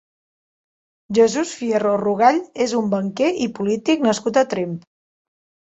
Jesús Fierro Rugall és un banquer i polític nascut a Tremp.